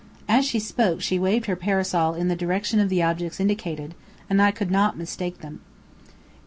as she spoke she waved her parasol in the direction of the objects indicated, and I could not mistake them.